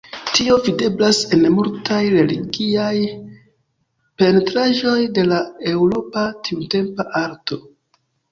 Tio videblas en multaj religiaj pentraĵoj de la eŭropa tiutempa arto.